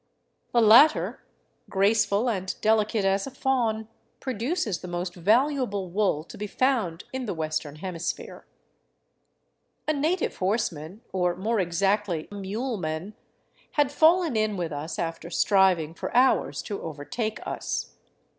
The latter, 3S2 OVERLAND TOWARD CUZCO graceful and delicate as a fawn, produces the most valuable wool to be found in the Western Hemisphere. A native horseman, or, more exactly, muleman, had fallen in with tis, after striving for hours to overtake us.